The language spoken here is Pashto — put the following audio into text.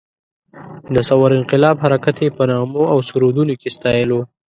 د ثور انقلاب حرکت یې په نغمو او سرودونو کې ستایلو.